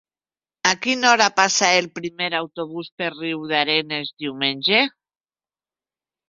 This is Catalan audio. A quina hora passa el primer autobús per Riudarenes diumenge?